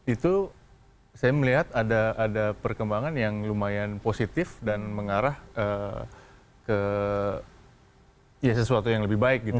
itu saya melihat ada perkembangan yang lumayan positif dan mengarah ke ya sesuatu yang lebih baik gitu